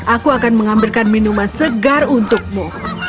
aku akan mengambilkan minuman segar untukmu